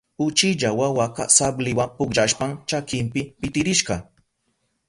Uchilla wawaka sabliwa pukllashpan chakinpi pitirishka.